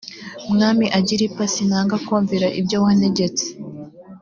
mwami agiripa sinanga kumvira ibyo wantegetse